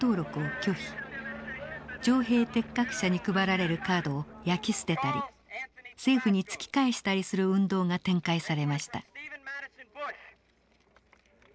徴兵適格者に配られるカードを焼き捨てたり政府に突き返したりする運動が展開されました。